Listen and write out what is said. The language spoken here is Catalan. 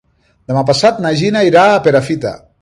Demà passat na Gina irà a Perafita.